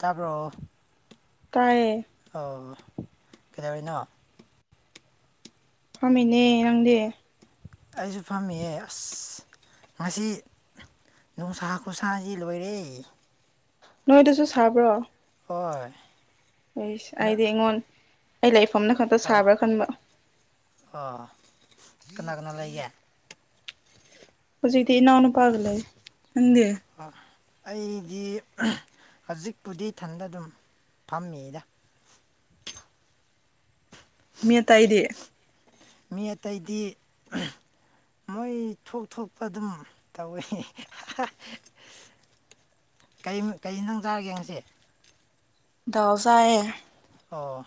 ꯇꯥꯕ꯭ꯔꯣꯣ ꯇꯑꯌꯦ ꯑꯣ ꯀꯩꯗꯧꯔꯤꯅꯣ ꯐꯥꯝꯃꯤꯅꯦ ꯅꯪꯗꯤꯦ ꯑꯩꯁꯨ ꯐꯝꯃꯤꯌꯦ ꯑꯁ ꯉꯁꯤ ꯅꯅꯨꯡ ꯁꯥꯥ ꯈ ꯁꯁꯤ ꯂꯣꯏꯔꯦ ꯅꯣꯏꯗꯁꯨ ꯁꯥꯕ꯭ꯔꯣ ꯍꯣꯏ ꯁ ꯑꯩꯗꯤ ꯑꯩꯉꯣꯟ ꯑꯩ ꯂꯩ ꯁꯝꯅ ꯈꯛꯇ ꯑꯣ ꯁꯥꯕ꯭ꯔꯥ ꯈꯟꯕ ꯑꯣ ꯀꯅꯥ ꯀꯅꯥ ꯂꯩꯦ ꯐꯁꯤꯗꯤ ꯏꯅꯎꯅꯄꯒ ꯂꯩ ꯅꯪꯗꯦ ꯑꯣ ꯑꯩꯗꯤ ꯍꯧꯖꯤꯛꯄꯨꯗꯤ ꯏꯊꯟꯗ ꯑꯗꯨꯝ ꯐꯝꯃꯤꯗ ꯃꯤ ꯑ ꯇꯥꯏꯗꯌꯦꯦ ꯃꯤ ꯑꯇꯩꯗꯤ ꯃꯣꯏ ꯊꯣꯛ ꯊꯣꯛꯄ ꯑꯗꯨꯝ ꯇꯧꯋꯤ ꯀꯔꯤ ꯅꯪ ꯆꯥꯔꯒꯦ ꯌꯦꯡꯁꯦ ꯗꯖꯌꯦ ꯑꯣꯥ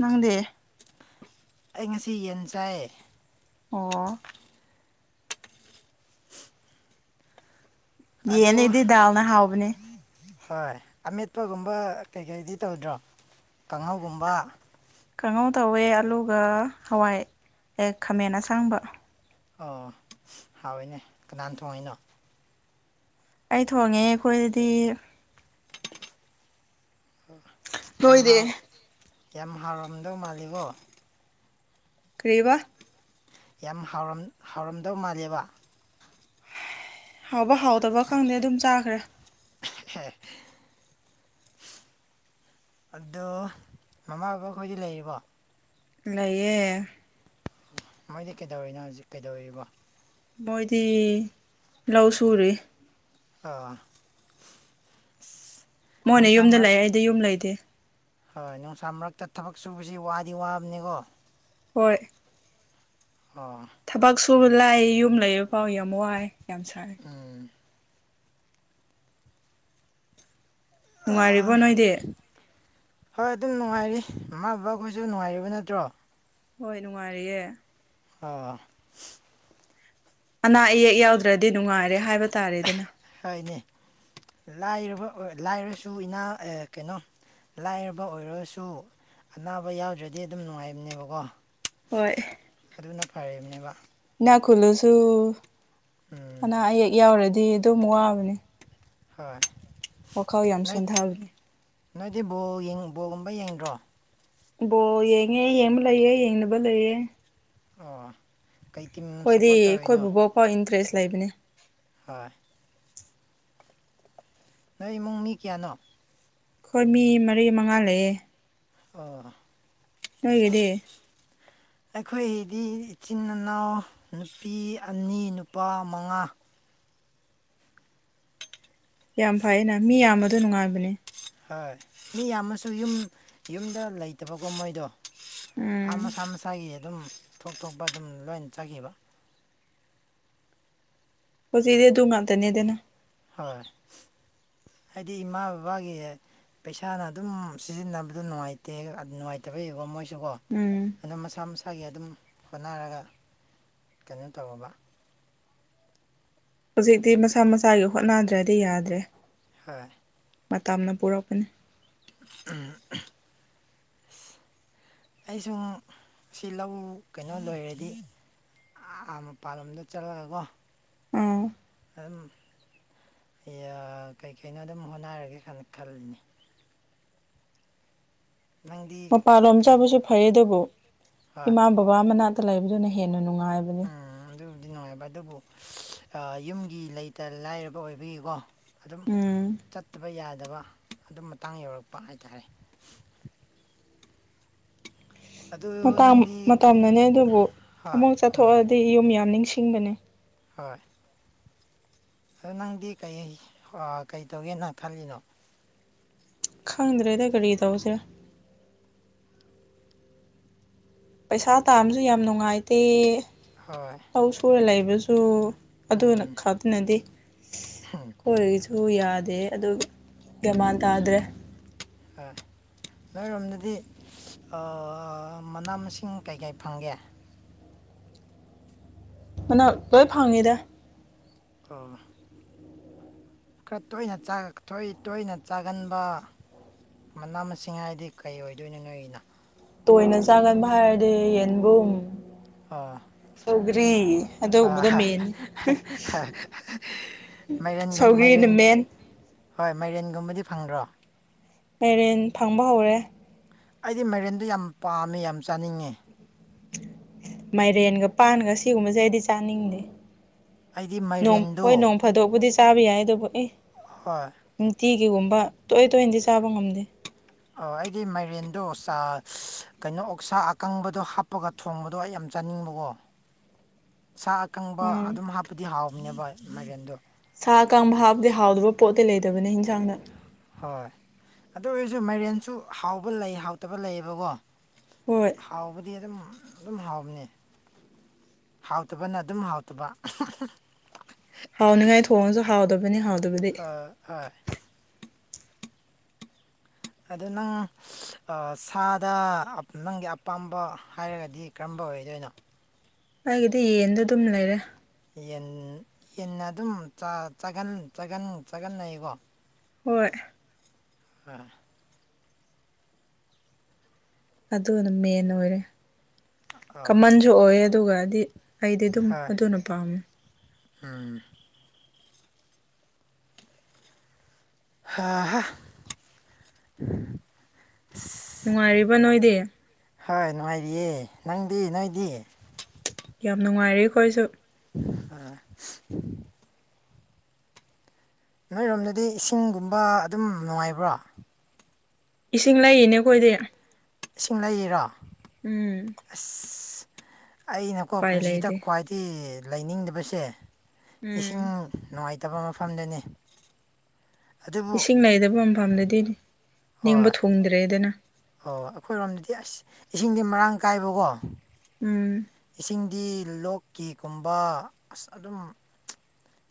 ꯅꯪꯗꯦ ꯑꯩ ꯉꯁꯤ ꯌꯦꯟ ꯆꯥꯏꯌꯦ ꯑꯣ ꯑꯗꯨ ꯌꯦꯅꯗꯤ ꯗꯥꯜꯅ ꯍꯥꯎꯕꯅꯦ ꯍꯣꯏ ꯑꯃꯦꯠꯄꯒꯨꯝꯕ ꯀꯩꯀꯩꯗꯤ ꯇꯧꯗ꯭ꯔꯣ ꯀꯥꯡꯍꯧꯒꯨꯝꯕ ꯈꯪꯍꯧ ꯇꯧꯋꯦ ꯑꯂꯨꯒ ꯍꯋꯥꯏ ꯍꯦꯛ ꯈꯥꯃꯦꯟ ꯑꯁꯥꯡꯕ ꯑꯣ ꯍꯥꯎꯏꯅꯦ ꯀꯅꯥꯅ ꯊꯣꯡꯉꯅꯣ ꯑꯩ ꯊꯣꯡꯉꯦ ꯑꯩꯈꯣꯏꯗꯗꯤ ꯌꯥꯝ ꯍ ꯅꯣꯏꯗꯤ ꯌꯥꯝ ꯍꯥꯎꯔꯝꯗꯧ ꯃꯥꯜꯂꯤꯕꯣ ꯀꯔꯤꯕ ꯌꯥꯝ ꯍꯥꯎꯔꯝꯗꯕ ꯃꯥꯜꯂꯦꯕ ꯍꯥꯎꯕ ꯍꯥꯎꯗꯕ ꯈꯪꯗꯦ ꯑꯗꯨꯝ ꯆꯥꯈ꯭ꯔꯦ ꯍ ꯑꯣ ꯃꯃꯥ ꯕꯕꯥ ꯈꯣꯏꯗꯤ ꯂꯩꯔꯤꯕꯣ ꯂꯩꯌꯦ ꯃꯣꯏꯗꯤ ꯀꯩꯗꯧꯔꯤꯅꯣ ꯍꯧꯖꯤꯛ ꯀꯩꯗꯧꯔꯤꯕ ꯃꯣꯏꯗꯤ ꯂꯧ ꯁꯨꯔꯦ ꯑꯥ ꯃꯣꯏꯅ ꯌꯨꯝꯗ ꯂꯩꯑꯦ ꯑꯩꯗꯤ ꯌꯨꯝ ꯂꯩꯇꯦ ꯍꯣꯏ ꯅꯨꯡꯁꯥ ꯃꯔꯛꯇ ꯊꯕꯛ ꯁꯨꯕꯁꯤ ꯋꯥꯗꯤ ꯋꯥꯕꯅꯤꯀꯣ ꯍꯣꯏ ꯑꯣ ꯁ ꯂꯥꯛꯑ ꯌꯨꯝ ꯂꯩꯕ ꯄꯥꯎ ꯌꯥꯝ ꯋꯥꯏ ꯌꯥꯝ ꯁꯔꯦ ꯎꯝ ꯅꯨꯡꯉꯥꯏꯔꯤꯕꯣ ꯑꯥ ꯅꯣꯏꯗꯤ ꯍꯣꯏ ꯑꯗꯨꯝ ꯅꯨꯡꯉꯥꯏꯔꯤ ꯃꯃꯥ ꯕꯕꯥꯈꯣꯏꯁꯨ ꯅꯨꯡꯉꯥꯏꯔꯤꯕ ꯅꯠꯇ꯭ꯔꯣ ꯍꯣꯏ ꯅꯨꯡꯉꯥꯏꯔꯤꯌꯦ ꯑꯣ ꯑꯅꯥ ꯑꯌꯦꯛ ꯌꯥꯎꯗ꯭ꯔꯗꯤ ꯅꯨꯡꯉꯥꯏꯔꯦ ꯍꯥꯏꯕ ꯇꯥꯔꯦꯗꯅ ꯂꯥꯏꯔꯕ ꯂꯥꯏꯔꯁꯨ ꯏꯅꯥ ꯀꯩꯅꯣ ꯂꯥꯏꯔꯕ ꯑꯣꯏꯔꯒꯁꯨ ꯑꯅꯥꯕ ꯌꯥꯎꯗ꯭ꯔꯗꯤ ꯑꯗꯨꯝ ꯅꯨꯡꯉꯥꯏꯕꯅꯦꯕꯀꯣ ꯍꯣꯏ ꯑꯗꯨꯅ ꯐꯅꯦꯕ ꯏꯅꯥ ꯈꯨꯨꯜꯂꯁꯨ ꯎꯝ ꯑꯅꯥ ꯑꯌꯦꯛ ꯌꯥꯎꯔꯗꯤ ꯑꯗꯨꯝ ꯋꯥꯕꯅꯦ ꯍꯣꯏ ꯋꯥꯈꯜ ꯌꯥꯝ ꯅꯣꯏ ꯁꯣꯟꯊꯕꯅꯦ ꯅꯣꯏꯗꯤ ꯕ ꯕꯣꯒꯨꯝꯕ ꯌꯦꯡꯗ꯭ꯔꯣ ꯕꯣ ꯌꯦꯡꯉꯦ ꯌꯦꯡꯕ ꯂꯩꯌꯦꯦ ꯌꯦꯡꯅꯕ ꯂꯩꯌꯦꯦ ꯑ ꯑꯩꯈꯣꯏꯗꯤ ꯑꯩꯈꯣꯏꯕꯨꯕꯥꯎ ꯐꯥꯎ ꯏꯟꯇꯔꯦꯁ ꯂꯩꯕꯅꯦ ꯍꯣꯏ ꯅꯪ ꯏꯃꯨꯡ ꯃꯤ ꯀꯌꯥꯅꯣ ꯑꯩꯈꯣꯏ ꯃꯤ ꯃꯔꯤ ꯃꯉꯥ ꯂꯩꯑꯦ ꯑ ꯅꯣꯏꯒꯦꯗꯤ ꯑꯩꯈꯣꯏꯒꯤꯗꯤ ꯏꯆꯤꯟ ꯏꯅꯥꯎ ꯅꯨꯄꯤ ꯑꯅꯤ ꯅꯨꯄꯥ ꯃꯉꯥ ꯌꯥꯝ ꯐꯩꯌꯦꯅ ꯃꯤ ꯌꯥꯝꯕꯗꯣ ꯅꯨꯡꯉꯥꯏꯕꯅꯦ ꯍꯣꯏ ꯃꯤ ꯌꯥꯝꯃꯁꯨ ꯌꯨꯝ ꯌꯨꯝꯗ ꯂꯩꯇꯕꯀꯣ ꯃꯣꯏꯗꯣ ꯑꯥ ꯎꯝ ꯃꯁꯥ ꯃꯁꯥꯒꯤ ꯑꯗꯨꯝ ꯊꯣꯛ ꯊꯣꯛꯄ ꯑꯗꯨꯝ ꯂꯣꯏꯅ ꯆꯥꯈꯤꯕ ꯍꯧ ꯁꯤꯗꯤ ꯇꯣꯡꯉ ꯇꯅꯦꯗꯅ ꯍꯣꯏ ꯍꯥꯏꯗꯤ ꯏꯃꯥ ꯕꯕꯥꯒꯤ ꯄꯩꯁꯥꯅ ꯑꯗꯨꯝ ꯁꯤꯖꯤꯟꯅꯕꯗ ꯅꯨꯡꯉꯥꯏꯇꯦ ꯅꯨꯡꯉꯥꯏꯇꯕ ꯌꯥꯕꯣ ꯃꯣꯏꯁꯨꯀꯣ ꯎꯝ ꯑꯗꯨꯗꯣ ꯃꯁꯥ ꯃꯁꯥꯒꯤ ꯑꯗꯨꯝ ꯍꯣꯠꯅꯔꯒ ꯀꯩꯅꯣ ꯇꯧꯔꯕ ꯍꯧꯖꯤꯛꯇꯤ ꯃꯁꯥ ꯃꯁꯥꯒꯤ ꯍꯣꯠꯅꯗ꯭ꯔꯗꯤ ꯌꯥꯗ꯭ꯔꯦ ꯍꯣꯏ ꯃꯇꯝꯅ ꯄꯨꯔꯛꯄꯅꯤ ꯑꯝ ꯑꯩ ꯁꯨꯝ ꯁꯤ ꯂꯧ ꯀꯩꯅꯣ ꯂꯣꯏꯔꯗꯤ ꯑ ꯃꯄꯥꯟꯂꯣꯝꯗ ꯆꯠꯂꯒꯀꯣ ꯑꯥ ꯑ ꯀꯩ ꯀꯩꯅꯣ ꯑꯗꯨꯝ ꯍꯣꯠꯅꯔꯒꯦ ꯈꯜꯂꯤꯅꯤ ꯅꯪꯗꯤ ꯃꯄꯥꯟꯂꯣꯝ ꯀꯩ ꯆꯥꯕꯁꯨ ꯐꯩ ꯑꯗꯨꯕꯨ ꯍꯣꯏ ꯏꯃꯥ ꯕꯕꯥ ꯃꯅꯥꯛꯇ ꯂꯩꯕꯗꯨꯅ ꯍꯦꯟꯅ ꯅꯨꯡꯉꯥꯏ ꯅꯨꯡꯉꯥꯏꯕꯅꯦ ꯎꯝ ꯑꯗꯨꯕꯨꯗꯤ ꯅꯨꯡꯉꯥꯏꯕ ꯑꯗꯨꯕꯨ ꯌꯨꯝꯒꯤ ꯂꯩꯇ ꯂꯥꯏꯔꯕ ꯑꯣꯏꯕꯒꯤꯀꯣ ꯑꯗꯨꯝ ꯎꯝ ꯆꯠꯇꯕ ꯌꯥꯗꯦ ꯑꯗꯨ ꯃꯇꯥꯡ ꯌꯧꯔꯛꯄ ꯍꯥꯏꯇꯥꯔꯦ ꯑꯗꯨ ꯅꯪꯗꯤ ꯃꯇꯝꯅꯅꯦ ꯑꯗꯨꯕꯨ ꯍꯣꯏ ꯑꯃꯨꯛ ꯎꯝ ꯆꯠꯊꯣꯛꯑꯗꯤ ꯌꯨꯝ ꯌꯥꯝ ꯅꯤꯡꯁꯤꯡꯕꯅꯦ ꯍꯣꯏ ꯑ ꯅꯪꯗꯤ ꯀꯩ ꯀꯩ ꯇꯧꯒꯦꯅ ꯈꯜꯂꯤꯅꯣ ꯈꯪꯗ꯭ꯔꯦꯗ ꯀꯔꯤ ꯇꯧꯁꯦ ꯄꯩꯁꯥ ꯇꯥꯝꯕꯁꯨ ꯌꯥꯝ ꯅꯨꯡꯉꯥꯏꯇꯦ ꯍꯣꯏ ꯂꯧ ꯁꯨꯔ ꯂꯩꯕꯁꯨ ꯑꯗꯨꯅ ꯎꯝ ꯈꯗꯅꯗꯤꯦ ꯀꯣꯏꯁꯨ ꯌꯥꯗꯦ ꯑꯗꯨ ꯒꯃꯥꯟ ꯇꯥꯗ꯭ꯔꯦ ꯑ ꯅꯣꯏꯔꯣꯝꯗꯗꯤ ꯃꯅꯥ ꯃꯁꯤꯡ ꯀꯩ ꯀꯩ ꯐꯪꯒꯦ ꯃꯅ ꯂꯣꯏ ꯐꯪꯉꯤꯗ ꯑ ꯈꯔ ꯇꯣꯏꯅ ꯇꯣꯏꯅ ꯆꯥꯒꯟꯕ ꯃꯅꯥ ꯃꯁꯤꯡ ꯍꯥꯏꯗꯤ ꯀꯩ ꯑꯣꯏꯗꯣꯏꯅꯣ ꯅꯣꯏꯒꯤꯅꯣ ꯇꯣꯏꯅ ꯆꯥꯡꯒꯟꯕ ꯍꯥꯏꯔꯗꯤ ꯌꯦꯟꯕꯨꯝ ꯑꯥ ꯗꯒꯔꯤ ꯑ ꯃꯥꯏꯔꯦꯟꯒ ꯁꯧꯒ꯭ꯔꯤꯅ ꯃꯔꯦꯟ ꯃꯦꯟ ꯍꯣꯏ ꯃꯥꯏꯔꯦꯟꯒꯨꯝꯕꯗꯤ ꯐꯪꯗ꯭ꯔꯣ ꯄꯦꯔꯦꯟ ꯐꯪꯕ ꯍꯧꯔꯦ ꯑꯩꯗꯤ ꯃꯦꯔꯦꯟꯗꯣ ꯌꯥꯝ ꯄꯥꯝꯃꯦ ꯌꯥꯝ ꯆꯥꯅꯤꯡꯉꯤ ꯃꯥꯏꯔꯦꯟꯒ ꯄꯥꯟꯒ ꯁꯤꯒꯨꯝꯕꯁꯦ ꯑꯩꯗꯤ ꯆꯥꯅꯤꯡꯗꯦ ꯑꯩꯗꯤ ꯃꯥꯏꯔꯦꯟꯗꯣ ꯍꯣꯏ ꯅꯣꯡ ꯐꯥꯗꯣꯛꯕꯨꯗꯤ ꯆꯥꯕ ꯌꯥꯏ ꯑꯗꯨꯕꯨ ꯑꯦ ꯍꯣꯏ ꯇꯤꯒꯤꯒꯨꯝꯕ ꯇꯣꯏ ꯇꯣꯏꯅꯗꯤ ꯆꯥꯕ ꯉꯝꯗꯦ ꯑꯣ ꯑꯩꯒꯤ ꯃꯥꯏꯔꯦꯟꯗꯣ ꯀꯩꯅꯣ ꯑꯣꯛꯁꯥ ꯑꯀꯪꯕꯗꯣ ꯍꯥꯞꯄꯒ ꯊꯣꯡꯕꯗꯣ ꯑꯩ ꯌꯥꯝ ꯆꯥꯅꯤꯡꯕꯀꯣ [inaudible] ꯁꯥ ꯑꯀꯪꯕ ꯎꯝ ꯑꯗꯨꯝ ꯍꯥꯞꯄꯗꯤ ꯍꯥꯎꯕꯅꯦꯕ ꯃꯥꯏꯀꯦꯟꯗꯣ ꯁꯥ ꯀꯥꯡꯪꯕ ꯍꯥꯞꯇꯗꯤ ꯍꯥꯎꯗꯕ ꯄꯣꯠꯇꯤ ꯂꯩꯇꯕꯅꯦ ꯌꯦꯟꯁꯥꯡꯗ ꯍꯣꯏ ꯑꯗꯨ ꯑꯣꯏꯔꯁꯨ ꯃꯔꯦꯟꯁꯨ ꯍꯥꯎꯕ ꯂꯩ ꯍꯥꯎꯇꯕ ꯂꯩꯌꯦꯕꯀꯣ ꯍꯣꯏ ꯍꯥꯎꯕꯗꯤꯗ ꯑꯗꯨꯝ ꯍꯥꯎꯕꯅꯤ ꯍꯥꯎꯇꯕꯅ ꯑꯗꯨꯝ ꯍꯥꯎꯇꯕ ꯍꯥꯎꯅꯤꯉꯥꯏ ꯊꯣꯡꯉꯁꯨ ꯍꯥꯎꯗꯕꯅꯤ ꯍꯥꯎꯗꯕꯗꯤ ꯍꯣꯏ ꯑ ꯅꯪ ꯁꯥꯗ ꯅꯪꯒꯤ ꯑꯄꯥꯝꯕ ꯍꯥꯏꯔꯒꯗꯤ ꯀꯔꯝꯕ ꯍꯣꯏ ꯑꯗꯨ ꯑꯣꯏꯅꯣ ꯑꯩꯒꯤꯗꯤ ꯌꯦꯟꯗꯣ ꯑꯗꯨꯝ ꯂꯩꯔꯦ ꯌꯦꯟ ꯌꯦꯟꯅ ꯑꯗꯨꯝ ꯆꯥꯒꯅꯩꯀꯣ ꯍꯣꯏ ꯎꯝ ꯑꯗꯨꯅ ꯃꯦꯟ ꯑꯣꯏꯔꯦ ꯑꯥ ꯀꯃꯟꯁꯨ ꯑꯣꯏ ꯑꯗꯨꯒꯗꯤ ꯑꯩꯗꯤ ꯑꯗꯨꯝ ꯍꯣꯏ ꯑꯗꯨꯅ ꯄꯥꯝꯃꯦ ꯎꯝ ꯑꯥ ꯍꯥ ꯅꯨꯡꯉꯥꯏꯔꯤꯕ ꯅꯣꯏꯗꯤ ꯍꯣꯏ ꯅꯨꯡꯉꯥꯏꯔꯤꯌꯦ ꯅꯪꯗꯤ ꯅꯣꯏꯗꯤ ꯌꯥꯝ ꯅꯨꯡꯉꯥꯏꯔꯦ ꯑꯩꯈꯣꯏꯁꯨ ꯑ ꯅꯣꯏꯔꯣꯝꯗꯗꯤ ꯏꯁꯤꯡꯒꯨꯝꯕ ꯑꯗꯨꯝ ꯅꯨꯡꯉꯥꯏꯕ꯭ꯔꯣ ꯏꯁꯤꯡ ꯂꯩꯏꯅꯦ ꯑꯩꯈꯣꯏꯗꯤ ꯏꯁꯤꯡ ꯂꯩꯔꯤꯔꯣ ꯎꯝ ꯑꯁ ꯑꯩꯅꯀꯣ ꯎꯄꯥꯏ ꯄꯨꯟꯁꯤꯗ ꯂꯩꯇꯦ ꯈ꯭ꯋꯥꯏꯗꯒꯤ ꯂꯩꯅꯤꯡꯗꯕꯁꯦ ꯏꯁꯤꯡ ꯎꯝ ꯅꯨꯡꯉꯥꯏ ꯐꯠꯇꯕ ꯃꯐꯝꯗꯨꯅꯤ ꯏꯁꯤꯡ ꯂꯩꯗꯕ ꯃꯐꯝꯗꯗꯤ ꯍꯣꯏ ꯅꯤꯡꯕ ꯊꯨꯡꯗ꯭ꯔꯦꯗꯅ ꯑꯣ ꯑꯩꯈꯣꯏꯔꯣꯝꯗꯗꯤ ꯑꯁ ꯏꯁꯤꯡꯗꯤ ꯃꯔꯥꯡ ꯀꯥꯏꯕꯀꯣ ꯎꯝ ꯏꯁꯤꯡꯗꯤ ꯂꯣꯛꯀꯤꯒꯨꯝꯕ ꯑꯁ ꯑꯗꯨꯝ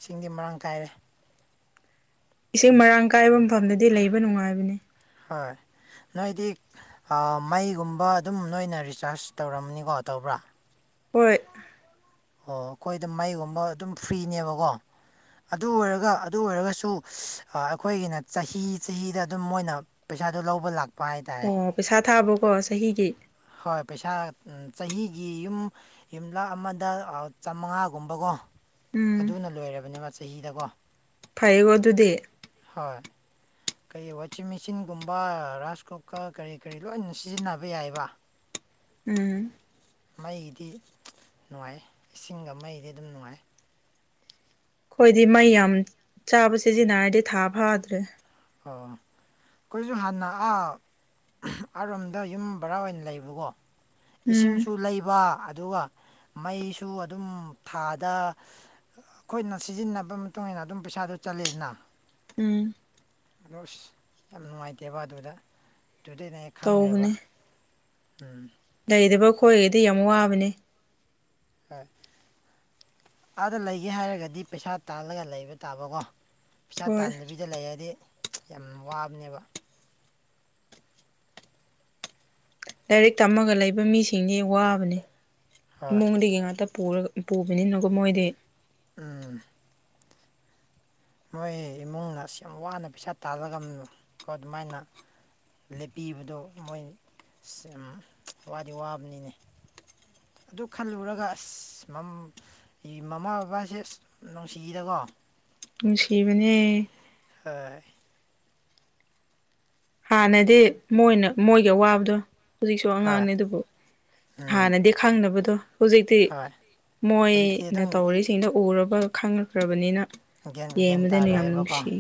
ꯁꯤꯡꯗꯤ ꯃꯔꯥꯡ ꯀꯥꯏꯔꯦ ꯏꯁꯤꯡ ꯃꯔꯥꯡ ꯀꯥꯏꯕ ꯃꯐꯝꯗꯗꯤ ꯂꯩꯕ ꯅꯨꯡꯉꯥꯏꯕꯅꯦ ꯍꯣꯏ ꯅꯣꯏꯗꯤ ꯃꯩꯒꯨꯝꯕ ꯑꯗꯨꯝ ꯅꯣꯏꯅ ꯔꯤꯆꯥꯔꯖ ꯇꯧꯔꯝꯅꯤꯀꯣ ꯇꯧꯕ꯭ꯔꯥ ꯍꯣꯏ ꯑꯣ ꯑꯩꯈꯣꯏ ꯑꯗꯨꯝ ꯃꯩꯒꯨꯝꯕ ꯑꯗꯨꯝ ꯐ꯭ꯔꯤꯅꯦꯕꯀꯣ ꯑꯗꯨ ꯑꯣꯏꯔꯒ ꯑꯗꯨ ꯑꯣꯏꯔꯒꯁꯨ ꯑꯩꯈꯣꯏꯒꯤꯅ ꯆꯍꯤ ꯆꯍꯤꯗ ꯑꯗꯨꯝ ꯃꯣꯏꯅ ꯄꯩꯥ ꯄꯩꯥꯗꯨ ꯂꯧꯕ ꯂꯥꯛ ꯑꯣ ꯄꯩꯁꯥ ꯊꯥꯕꯀꯣ ꯆꯍꯤꯒꯤ ꯍꯣꯏ ꯄꯩꯁꯥ ꯆꯍꯤꯒꯤ ꯌꯨꯝ ꯌꯨꯝꯂꯛ ꯑꯃꯗ ꯆꯥꯃꯉꯥꯒꯨꯝꯕꯀꯣ [inaudible] ꯑꯗꯨꯅ ꯂꯣꯏꯔꯕꯅꯦꯕ ꯆꯍꯤꯗꯀꯣ ꯐꯩꯒꯗꯨꯗꯦ ꯀꯔꯤ ꯋꯥꯆꯤꯡ ꯃꯦꯆꯤꯟꯒꯨꯝꯕ ꯔꯥꯏꯁ ꯀꯨꯀꯔ ꯀꯔꯤ ꯀꯔꯤ ꯂꯣꯏꯅ ꯁꯤꯖꯤꯟꯅꯕ ꯌꯥꯏꯕ ꯎꯝ ꯃꯩꯒꯤꯗꯤ ꯅꯨꯡꯉꯥꯏ ꯏꯁꯤꯡꯒ ꯃꯩꯗꯤ ꯑꯗꯨꯝ ꯅꯨꯡꯉꯥꯏ ꯑꯩꯈꯣꯏꯗꯤ ꯃꯩ ꯌꯥꯝ ꯆꯥꯕ ꯁꯤꯖꯤꯟꯅꯔꯗꯤ ꯊꯥ ꯐꯥꯗ꯭ꯔꯦ ꯑꯥ ꯑꯩꯈꯣꯏꯁꯨ ꯍꯥꯟꯅ ꯑꯔꯣꯝꯗ ꯌꯨꯝ ꯕꯣꯔꯥ ꯑꯣꯏꯅ ꯂꯩꯕꯀꯣ ꯎꯝ ꯏꯁꯤꯡꯁꯨ ꯂꯩꯕ ꯑꯗꯨꯒ ꯃꯩꯁꯨ ꯑꯗꯨꯝ ꯊꯥꯗ ꯑꯩꯈꯣꯏꯅ ꯁꯤꯖꯤꯟꯅꯕ ꯃꯇꯨꯡ ꯏꯟꯅ ꯑꯗꯨꯝ ꯄꯩꯁꯥꯗꯨ ꯆꯂꯦꯅ ꯎꯝ ꯑꯗꯣ ꯑꯁ ꯌꯥꯝ ꯅꯨꯡꯉꯥꯏꯇꯦꯕ ꯑꯗꯨꯗ ꯑꯗꯨꯗꯅ ꯑꯩ ꯈꯪꯈ꯭ꯔꯦꯕ ꯇꯧꯕꯅꯦ ꯎꯝ ꯂꯩꯗꯕ ꯑꯩꯈꯣꯏꯈꯩꯗꯤ ꯌꯥꯝ ꯋꯥꯕꯅꯦ ꯍꯣꯏ ꯑꯥꯗ ꯂꯩꯒꯦ ꯍꯥꯏꯔꯒꯗꯤ ꯄꯩꯁꯥ ꯇꯥꯜꯂꯒ ꯂꯩꯕ ꯇꯥꯕꯀꯣ ꯄꯩꯁꯥ ꯍꯣꯏ ꯇꯥꯟꯗꯕꯤꯗ ꯂꯩꯔꯗꯤ ꯌꯥꯝ ꯋꯥꯕꯅꯦꯕ ꯂꯥꯏꯔꯤꯛ ꯇꯝꯃꯒ ꯂꯩꯕ ꯃꯤꯁꯤꯡꯗꯤ ꯋꯥꯕꯅꯦ ꯍꯣꯏ ꯏꯃꯨꯡꯗꯒꯤ ꯉꯥꯛꯇ ꯄꯨꯔꯒ ꯄꯨꯕꯅꯤꯅꯀꯣ ꯃꯣꯏꯗꯤ ꯎꯝ ꯃꯣꯏ ꯏꯃꯨꯡꯅ ꯑꯁꯤ ꯌꯥꯝ ꯋꯥꯅ ꯄꯩꯁꯥ ꯇꯥꯜꯔꯒ ꯀꯣ ꯑꯗꯨꯃꯥꯏꯅ ꯂꯦꯞꯄꯤꯕꯗꯣ ꯃꯣꯏ ꯋꯥꯔꯤꯗꯤ ꯋꯥꯕꯅꯤꯅꯦ ꯑꯗꯨ ꯈꯜꯂꯨꯔꯒ ꯑꯁ ꯃꯃꯥ ꯕꯕꯥꯁꯦ ꯑꯁ ꯅꯨꯡꯁꯤꯗꯀꯣ ꯑ ꯅꯨꯡꯁꯤꯕꯅꯦ ꯍꯣꯏ ꯍꯥꯟꯅꯗꯤ ꯃꯣꯏꯅ ꯃꯣꯏꯒꯤ ꯑꯋꯥꯕꯗꯣ ꯍꯧꯖꯤꯛꯁꯨ ꯍꯣꯏ ꯑꯉꯥꯡꯅꯦ ꯑꯗꯨꯕꯨ ꯎꯝ ꯍꯥꯟꯅꯗꯤ ꯈꯪꯅꯕꯗꯣ ꯍꯧꯖꯤꯛꯇꯤ ꯍꯣꯏ ꯍꯧꯖꯤꯛꯇꯤ ꯃꯣꯏꯅ ꯑꯗꯨꯝ ꯇꯧꯔꯤꯁꯤꯡꯗ ꯎꯔꯕ ꯈꯪꯉꯈ꯭ꯔꯕꯅꯤꯅ ꯒ꯭ꯌꯥꯟ ꯒ꯭ꯌꯥꯟ ꯡꯃꯗꯅ ꯇꯥꯔꯛꯑꯦꯕꯀꯣ ꯌꯥꯝꯅꯨꯡꯁꯤꯦ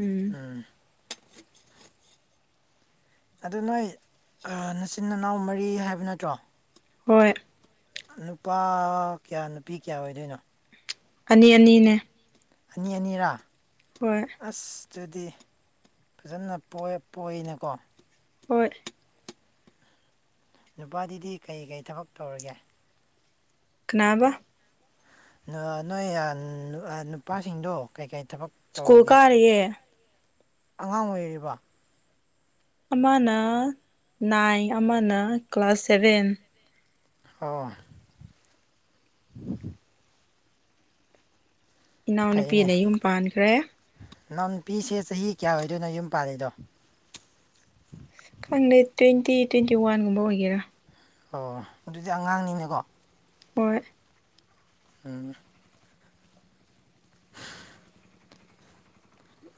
ꯎꯝ ꯑꯗꯨ ꯅꯣꯏ ꯅꯆꯤꯟ ꯏꯅꯥꯎ ꯃꯔꯤ ꯍꯥꯏꯕ ꯅꯠꯇ꯭ꯔꯣ ꯍꯣꯏ ꯅꯨꯄꯥ ꯀꯌꯥ ꯅꯨꯄꯤ ꯀꯌꯥ ꯑꯣꯏꯗꯣꯏꯅꯣ ꯑꯅꯤ ꯑꯅꯤꯅꯦ ꯑꯅꯤ ꯑꯅꯤꯔꯥ ꯍꯣꯏ ꯑꯁ ꯑꯗꯨꯗꯤ ꯐꯖꯅ ꯄꯣꯏꯅꯀꯣ ꯍ ꯅꯨꯄꯥꯗꯤꯗꯤ ꯀꯩ ꯀꯔꯤ ꯊꯕꯛ ꯇꯧꯔꯒꯦ ꯀꯅꯥꯕ ꯅꯣꯏ ꯅꯨꯄꯥꯁꯤꯡꯗꯣ ꯀꯩꯀꯩ ꯊꯕꯛ ꯁ꯭ꯀꯨꯜ ꯇꯧꯔꯒꯦ ꯀꯥꯔꯤꯌꯦ ꯑꯉꯥꯡ ꯑꯣꯏꯔꯤꯕ ꯑꯃꯅ ꯅꯥꯏꯟ ꯑꯃꯅ ꯀ꯭ꯂꯥꯁ ꯁꯚꯦꯟ ꯑꯣ ꯎꯝ ꯏꯅꯥꯎꯅꯨꯄꯤꯅ ꯌꯨꯝ ꯄꯥꯟꯈ꯭ꯔꯦ ꯅꯥꯟ ꯄꯤꯁꯦ ꯆꯍꯤ ꯀꯌꯥ ꯑꯣꯏꯗꯣꯏꯅꯣ ꯌꯨꯝ ꯄꯥꯜꯂꯤꯗꯣ ꯈꯪꯅꯩ ꯇ꯭ꯋꯦꯟꯇꯤ ꯇ꯭ꯋꯦꯟꯇꯤ ꯋꯥꯟꯒꯨꯝꯕ ꯑꯣꯏꯒꯦꯔꯥ ꯑꯣ ꯑꯗꯨꯗꯤ ꯑꯉꯥꯡꯅꯤꯅꯦꯀꯣ ꯍꯣꯏ ꯑ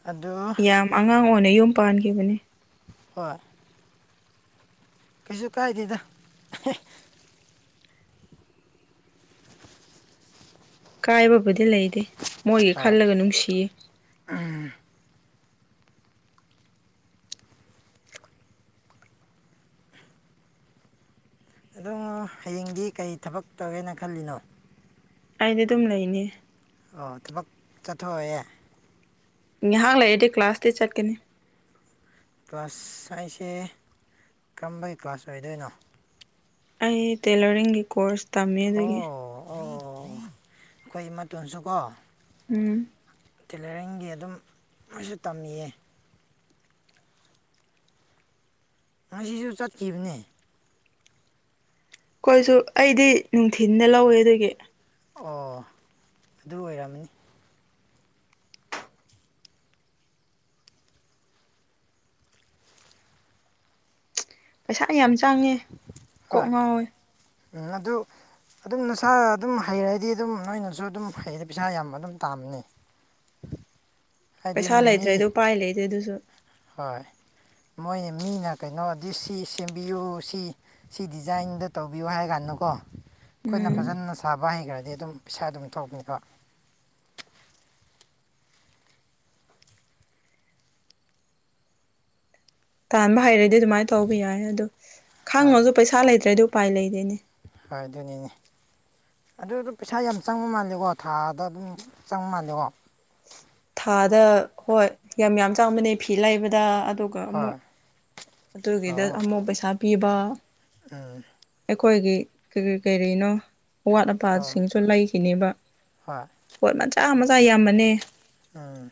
ꯑꯗꯨ ꯌꯥꯝ ꯑꯉꯥꯡ ꯑꯣꯏꯅ ꯌꯨꯝ ꯄꯥꯟꯈꯤꯕꯅꯦ ꯍꯣꯏ ꯀꯩꯁꯨ ꯀꯥꯏꯗꯗ ꯀꯥꯏꯕꯕꯨꯗꯤ ꯂꯩꯇꯦ ꯃꯣꯏꯒꯤ ꯈꯜꯂꯒ ꯅꯨꯡꯁꯤꯌꯦ ꯑ ꯑꯗꯨꯝ ꯍꯌꯦꯡꯗꯤ ꯀꯩ ꯊꯕꯛ ꯇꯧꯒꯦꯅ ꯈꯜꯂꯤꯅꯣ ꯑꯩꯗꯤ ꯑꯗꯨꯝ ꯂꯩꯅꯤ ꯑꯣ ꯊꯕꯛ ꯆꯠꯊꯣꯛꯑꯦ ꯉꯥꯏꯍꯥꯛ ꯂꯩꯥꯛꯑꯗꯤ ꯀ꯭ꯂꯥꯁꯇꯤ ꯆꯠꯀꯅꯤ ꯀ꯭ꯂꯥꯁ ꯍꯥꯏꯁꯦ ꯀꯔꯝꯕꯒꯤ ꯀ꯭ꯂꯥꯁ ꯑꯣꯏꯗꯣꯏꯅꯣ ꯑꯩ ꯇꯦꯂꯔꯤꯡꯒꯤ ꯀꯣꯔꯁ ꯇꯝꯃꯤ ꯑꯣ ꯑꯗꯨꯒꯤ ꯑꯣ ꯑꯩꯈꯣꯏ ꯏ ꯃꯇꯥꯣꯟꯁꯨꯀꯣ ꯎꯝ ꯇꯦꯂꯔꯤꯡꯒꯤ ꯑꯗꯨꯝ ꯂꯣꯏꯁꯨ ꯇꯝꯃꯤꯌꯦ ꯉꯁꯨ ꯆꯠꯈꯤꯕꯅꯦ ꯀꯣꯏꯁꯨ ꯑꯩꯗꯤ ꯅꯨꯡꯊꯤꯤꯟꯗ ꯂꯧꯋꯦ ꯑꯗꯨꯒꯤ ꯑꯣ ꯑꯗꯨ ꯑꯣꯏꯔꯝꯅꯤ ꯄꯩꯁꯥ ꯌꯥꯝ ꯆꯥꯡꯉꯦ ꯀꯣꯛ ꯉꯥꯎꯋꯦ ꯎ ꯑꯗꯨ ꯑꯗꯨꯝ ꯅꯁꯥ ꯑꯗꯨꯝ ꯍꯩꯔꯗꯤ ꯑꯗꯨꯝ ꯅꯣꯏꯅꯁꯨ ꯑꯗꯨꯝ ꯍꯩꯔꯗꯤ ꯄꯩꯁꯥ ꯌꯥꯝ ꯑꯗꯨꯝ ꯇꯥꯝꯕꯅꯤ ꯄꯩꯁꯥ ꯂꯩꯇ꯭ꯔꯦꯗꯣ ꯎꯄꯥꯏ ꯂꯩꯗꯦ ꯑꯗꯨꯁꯨ ꯍꯣꯏ ꯃꯣꯏꯅ ꯃꯤꯅ ꯀꯩꯅꯣꯗꯤ ꯁꯤ ꯁꯦꯝꯕꯤꯌꯨ ꯁꯤ ꯁꯤ ꯗꯤꯖꯥꯏꯟꯗ ꯇꯧꯕꯤꯌꯨ ꯍꯥꯏ ꯀꯥꯟꯗꯀꯣ ꯑꯩꯈꯣꯏꯅ ꯎꯝ ꯐꯖꯅ ꯁꯥꯕ ꯍꯩꯈ꯭ꯔꯗꯤ ꯑꯗꯨꯝ ꯄꯩꯁꯥ ꯑꯗꯨꯝ ꯊꯣꯛꯀꯅꯤꯀꯣ ꯇꯥꯟꯕ ꯍꯩꯔꯗꯤ ꯑꯗꯨꯃꯥꯏꯅ ꯇꯧꯕ ꯌꯥꯏ ꯑꯗꯨꯗꯣ ꯈꯥꯡꯉꯣꯁꯨ ꯄꯩꯁꯥ ꯂꯩꯇ꯭ꯔꯗꯤ ꯎꯄꯥꯏ ꯂꯩꯗꯦꯅꯦ ꯍꯥꯏꯗꯨꯅꯤꯅꯦ ꯑꯗꯨꯗꯣ ꯄꯩꯁꯥ ꯌꯥꯝ ꯆꯪꯕ ꯃꯥꯜꯂꯦꯀꯣ ꯊꯥꯗ ꯑꯗꯨꯝ ꯆꯪꯕ ꯃꯥꯜꯂꯦꯀꯣ ꯊꯥꯗ ꯍꯣꯏ ꯌꯥꯝ ꯌꯥꯝ ꯆꯥꯡꯕꯅꯦ ꯐꯤ ꯂꯩꯕꯗ ꯑꯗꯨꯒ ꯍꯣꯏ ꯑꯃꯨꯛ ꯑꯗꯨꯒꯤꯗ ꯑꯃꯛ ꯄꯩꯁꯥ ꯄꯤꯕ ꯑ ꯑꯩꯈꯣꯏꯒꯤ ꯀꯔꯤꯅꯣ ꯑꯋꯥꯠ ꯑꯣ ꯑꯄꯥꯁꯤꯡꯁꯨ ꯂꯩꯈꯤꯅꯦꯕ ꯍꯣꯏ ꯄꯣꯠ ꯃꯆꯥ ꯃꯆꯥ ꯌꯥꯝꯕꯅꯦ ꯎꯝ